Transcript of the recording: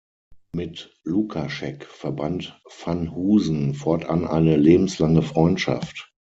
Mit Lukaschek verband van Husen fortan eine lebenslange Freundschaft.